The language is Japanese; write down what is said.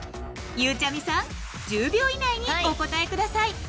［ゆうちゃみさん１０秒以内にお答えください］